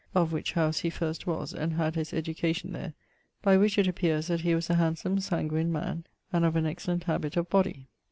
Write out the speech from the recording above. (of which house he first was, and had his education there) by which it appeares that he was a handsome sanguine man, and of an excellent habit of bodie.